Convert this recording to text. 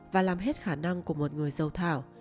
và làm hết khả năng của một người em chồng